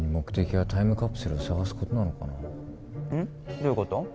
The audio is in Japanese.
どういうこと？